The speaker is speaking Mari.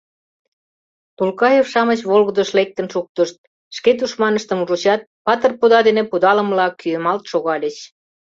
Тулкаев-шамыч волгыдыш лектын шуктышт — шке тушманыштым ужычат, патыр пуда дене пудалымыла кӱэмалт шогальыч.